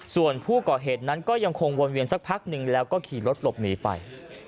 ส่วนผู้ก่อเหตุนั้นก็ยังคงวนเวียนสักพักหนึ่งแล้วก็ขี่รถหลบหนีไป